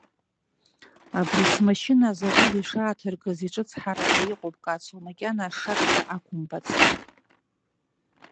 Абри смашьына азауад ишааҭыргаз иҿыцҳаҳараӡа иҟоуп, кацо, макьана ашшаҵәҟьа ақәымбацт.